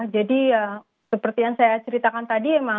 jadi seperti yang saya ceritakan tadi